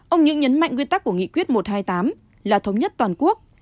ông nhưỡng nhấn mạnh quy tắc của nghị quyết một trăm hai mươi tám là thống nhất toàn quốc